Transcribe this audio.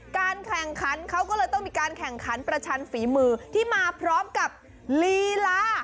การแข่งขันเขาก็เลยต้องมีการแข่งขันประชันฝีมือที่มาพร้อมกับลีลา